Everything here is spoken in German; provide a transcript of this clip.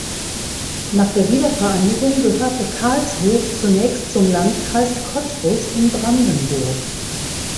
Nach der Wiedervereinigung gehörte Karlshof zunächst zum "Landkreis Cottbus" in Brandenburg.